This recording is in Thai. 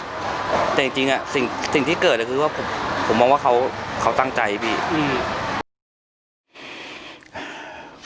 แต่จริงจริงอ่ะสิ่งที่เกิดคือว่าผมมองว่าเขาเขาตั้งใจพี่อืม